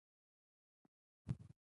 طبیعي پیښې مقابله غواړي